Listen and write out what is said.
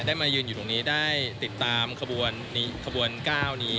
ได้มายืนอยู่ตรงนี้ได้ติดตามขบวนก้าวนี้